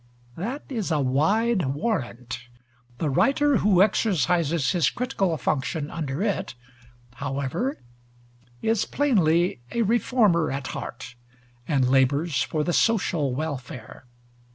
That is a wide warrant. The writer who exercises his critical function under it, however, is plainly a reformer at heart, and labors for the social welfare.